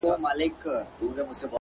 صبر د لویو لاسته راوړنو بنسټ دی